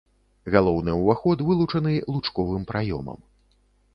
Галоўны ўваход вылучаны лучковым праёмам.